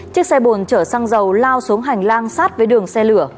chiếc xe bồn chở xăng dầu lao xuống hành lang sát với đường xe lửa